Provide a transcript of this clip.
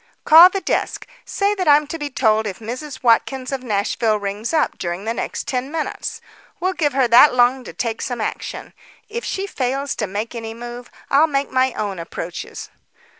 "Call the desk. Say that I'm to be told if Mrs. Watkins of Nashville rings up during the next ten minutes. We'll give her that long to take some action. If she fails to make any move, I'll make my own approaches."